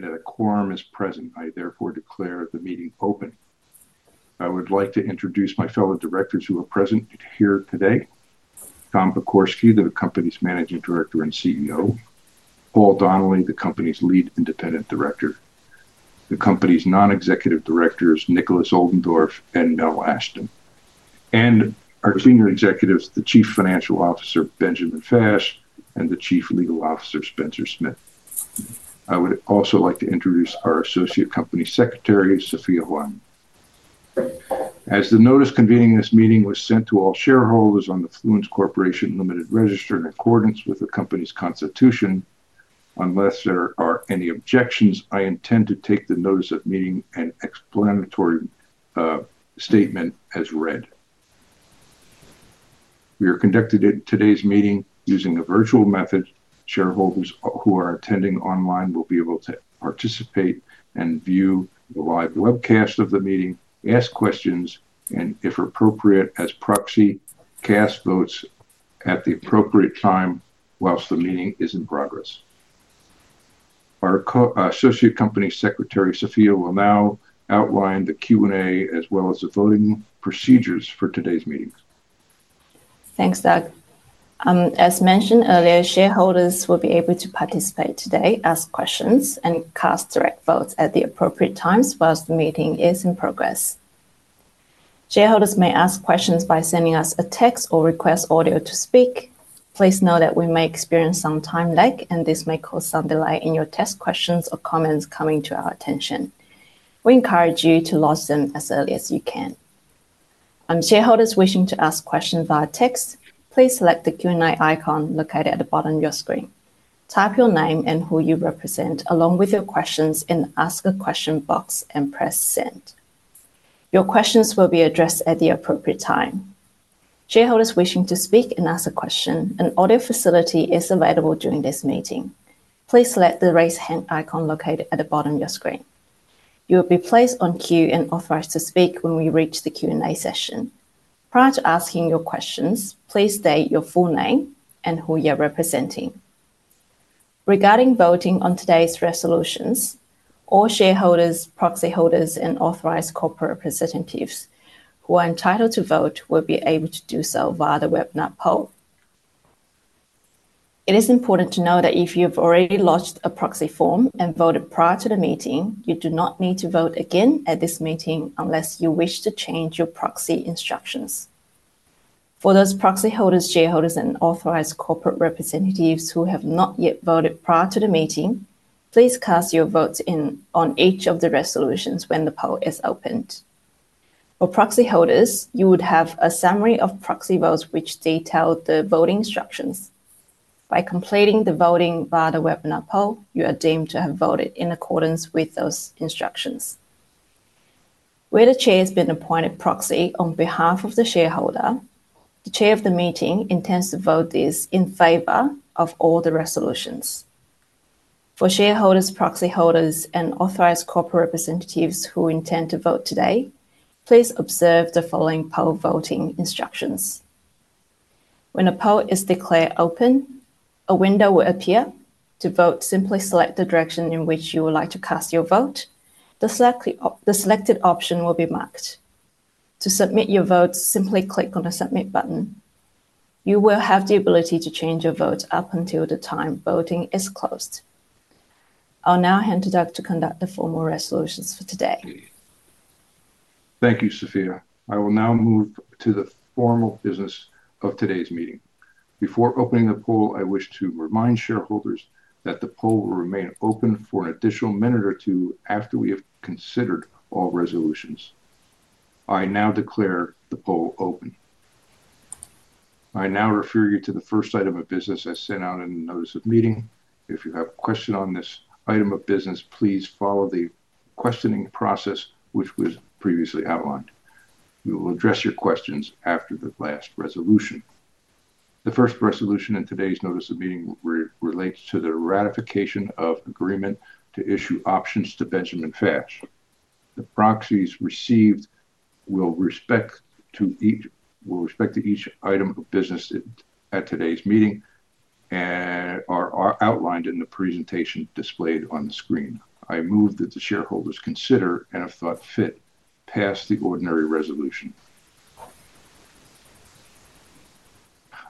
The quorum is present. I therefore declare the meeting open. I would like to introduce my fellow directors who are present here today: Tom Pokorsky, the company's Managing Director and CEO; Paul Donnelly, the company's Lead Independent Director; the company's Non-Executive Directors, Nikolaus Oldendorff and Mel Ashton; and our senior executives, the Chief Financial Officer, Benjamin Fash, and the Chief Legal Officer, Spencer Smith. I would also like to introduce our Associate Company Secretary, Sophia Hwang. As the notice convening this meeting was sent to all shareholders on the Fluence Corporation Limited register in accordance with the company's Constitution, unless there are any objections, I intend to take the notice of meeting and explanatory statement as read. We are conducting today's meeting using a virtual method. Shareholders who are attending online will be able to participate and view the live webcast of the meeting, ask questions, and, if appropriate, as proxy, cast votes at the appropriate time whilst the meeting is in progress. Our Associate Company Secretary, Sophia, will now outline the Q&A as well as the voting procedures for today's meeting. Thanks, Doug. As mentioned earlier, shareholders will be able to participate today, ask questions, and cast direct votes at the appropriate times whilst the meeting is in progress. Shareholders may ask questions by sending us a text or request audio to speak. Please note that we may experience some time lag, and this may cause some delay in your text questions or comments coming to our attention. We encourage you to listen as early as you can. Shareholders wishing to ask questions via text, please select the Q&A icon located at the bottom of your screen. Type your name and who you represent along with your questions in the Ask a Question box and press Send. Your questions will be addressed at the appropriate time. Shareholders wishing to speak and ask a question, an audio facility is available during this meeting. Please select the Raise Hand icon located at the bottom of your screen. You will be placed on queue and authorized to speak when we reach the Q&A session. Prior to asking your questions, please state your full name and who you are representing. Regarding voting on today's resolutions, all shareholders, proxy holders, and authorized corporate representatives who are entitled to vote will be able to do so via the webinar poll. It is important to know that if you have already lodged a proxy form and voted prior to the meeting, you do not need to vote again at this meeting unless you wish to change your proxy instructions. For those proxy holders, shareholders, and authorized corporate representatives who have not yet voted prior to the meeting, please cast your votes on each of the resolutions when the poll is opened. For proxy holders, you would have a summary of proxy votes which detail the voting instructions. By completing the voting via the webinar poll, you are deemed to have voted in accordance with those instructions. Where the Chair has been appointed proxy on behalf of the shareholder, the Chair of the meeting intends to vote this in favor of all the resolutions. For shareholders, proxy holders, and authorized corporate representatives who intend to vote today, please observe the following poll voting instructions. When a poll is declared open, a window will appear. To vote, simply select the direction in which you would like to cast your vote. The selected option will be marked. To submit your vote, simply click on the Submit button. You will have the ability to change your vote up until the time voting is closed. I'll now hand it over to conduct the formal resolutions for today. Thank you, Sophia. I will now move to the formal business of today's meeting. Before opening the poll, I wish to remind shareholders that the poll will remain open for an additional minute or two after we have considered all resolutions. I now declare the poll open. I now refer you to the first item of business I sent out in the notice of meeting. If you have a question on this item of business, please follow the questioning process which was previously outlined. We will address your questions after the last resolution. The first resolution in today's notice of meeting relates to the ratification of agreement to issue options to Benjamin Fash. The proxies received with respect to each item of business at today's meeting are outlined in the presentation displayed on the screen. I move that the shareholders consider and, if thought fit, pass the ordinary resolution.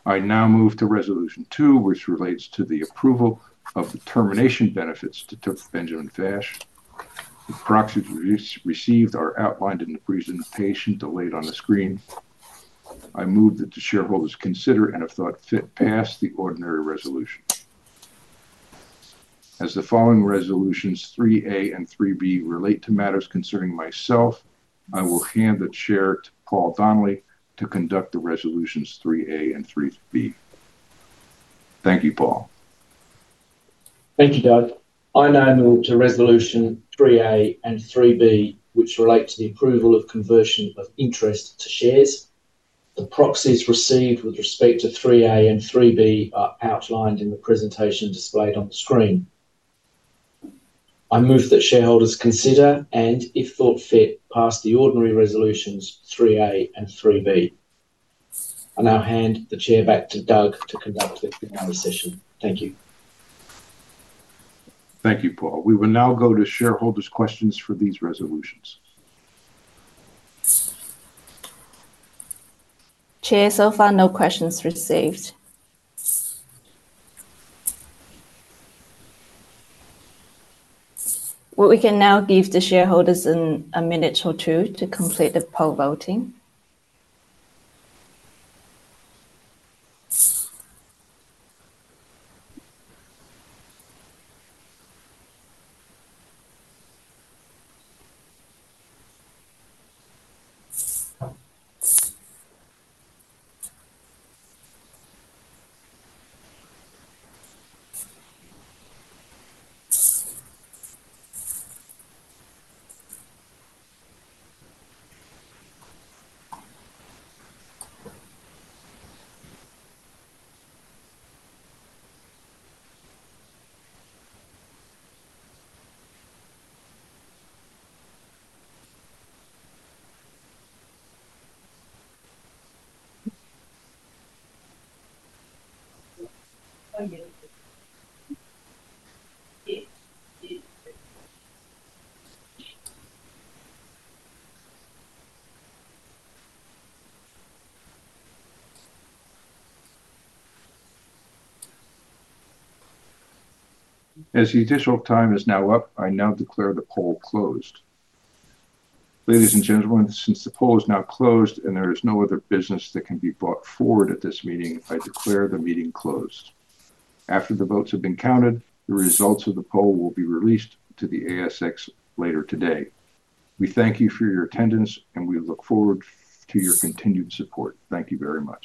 I now move to Resolution 2, which relates to the approval of the termination benefits to Benjamin Fash. The proxies received are outlined in the presentation displayed on the screen. I move that the shareholders consider and, if thought fit, pass the ordinary resolution. As the following Resolutions 3A and 3B relate to matters concerning myself, I will hand the chair to Paul Donnelly to conduct the Resolutions 3A and 3B. Thank you, Paul. Thank you, Doug. I now move to Resolution 3A and 3B, which relate to the approval of conversion of interest to shares. The proxies received with respect to 3A and 3B are outlined in the presentation displayed on the screen. I move that shareholders consider and, if thought fit, pass the ordinary Resolutions 3A and 3B. I now hand the chair back to Doug to conduct the final session. Thank you. Thank you, Paul. We will now go to shareholders' questions for these resolutions. Chair, so far, no questions received. We can now give the shareholders a minute or two to complete the poll voting. As the additional time is now up, I now declare the poll closed. Ladies and gentlemen, since the poll is now closed and there is no other business that can be brought forward at this meeting, I declare the meeting closed. After the votes have been counted, the results of the poll will be released to the ASX later today. We thank you for your attendance, and we look forward to your continued support. Thank you very much.